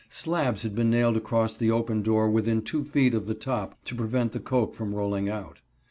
Slabs had been nailed across the open door within two feet of the top to prevent the coke from rolling out.